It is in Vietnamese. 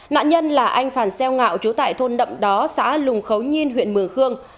nạn nhân là anh phản xeo ngạo trú tại thôn đậm đó xã lùng khấu nhiên huyện mường khương